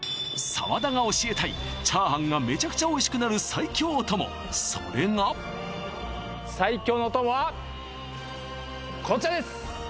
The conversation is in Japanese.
澤田が教えたい炒飯がめちゃくちゃおいしくなる最強お供それが最強のお供はこちらです